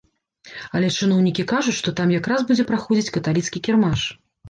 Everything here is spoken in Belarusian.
Але чыноўнікі кажуць, што там якраз будзе праходзіць каталіцкі кірмаш.